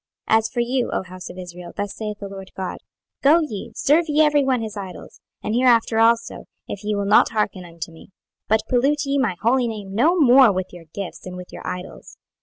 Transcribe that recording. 26:020:039 As for you, O house of Israel, thus saith the Lord GOD; Go ye, serve ye every one his idols, and hereafter also, if ye will not hearken unto me: but pollute ye my holy name no more with your gifts, and with your idols.